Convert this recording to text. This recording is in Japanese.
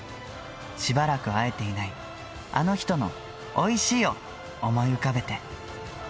しばらく会えていないあの人のおいしい！を思い浮かべて。